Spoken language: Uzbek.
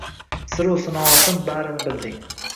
Siru sinoatim barini bilding.